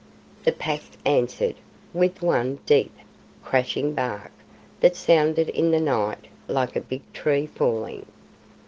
The Pack answered with one deep, crashing bark that sounded in the night like a big tree falling.